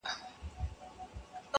چي په برخه به د هر سړي قدرت سو-